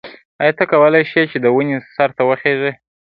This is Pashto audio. ایا ته کولای شې چې د ونې سر ته وخیژې؟